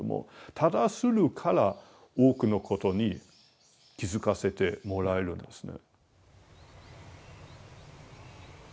ただするから多くのことに気付かせてもらえるんですね。